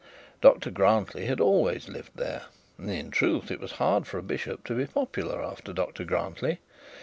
Dr Grantly had always lived there; and in truth it was hard for a bishop to be popular after Dr Grantly.